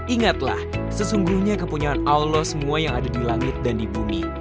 ingatlah sesungguhnya kepunyaan allah semua yang ada di langit dan di bumi